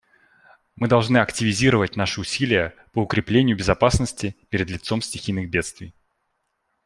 Мы должны активизировать наши усилия по укреплению безопасности перед лицом стихийных бедствий.